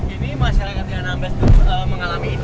ini masyarakat yang nambes tuh mengalami ini gitu